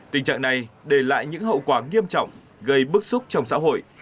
tình trạng này đề lại những hậu quả nghiêm trọng gây bức xúc trong xã hội